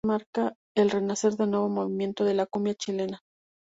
La canción marca el renacer del nuevo movimiento de la cumbia chilena.